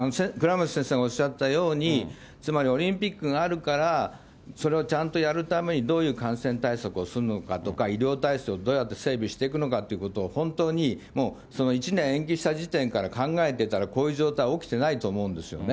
ですから、倉持先生がおっしゃったように、つまりオリンピックがあるから、それをちゃんとやるために、どういう感染対策をするのかとか、医療体制をどうやって整備していくのかということを、本当に１年延期した時点から考えてたら、こういう状態起きてないと思うんですよね。